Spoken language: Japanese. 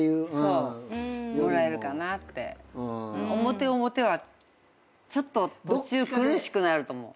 表表はちょっと途中苦しくなると思う。